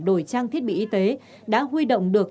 đổi trang thiết bị y tế đã huy động được